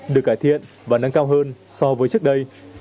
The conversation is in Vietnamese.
được cải thiện và nâng cao hơn so với trước đây